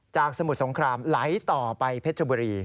สมุทรสงครามไหลต่อไปเพชรบุรี